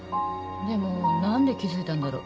でも何で気付いたんだろ？